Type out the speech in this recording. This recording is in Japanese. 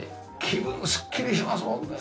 気分すっきりしますもんね。